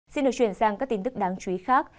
xin được chuyển sang các tin tức đáng chú ý khác